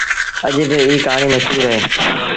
اڄ با ايٚ ڪهآڻيٚ مشهور اهي۔